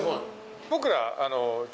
僕ら。